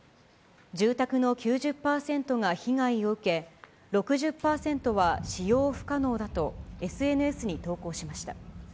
住宅の９０％が被害を受け、６０％は使用不可能だと、ＳＮＳに投稿しました。